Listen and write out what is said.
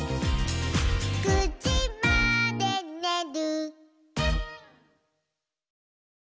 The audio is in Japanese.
「９じまでにねる」